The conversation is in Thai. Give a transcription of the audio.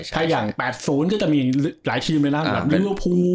ถ้าอย่าง๘๐ก็จะมีหลายทีมมิลานอย่างเยื้อพู